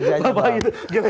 ada yang bagus kerjanya bang